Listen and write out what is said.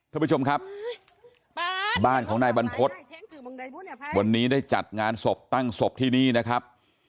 ท่านผู้ชมครับบ้านของนายบรรพฤษวันนี้ได้จัดงานศพตั้งศพที่นี่นะครับ